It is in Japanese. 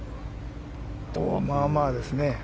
まあまあですね。